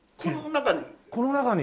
この中に。